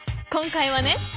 今回はね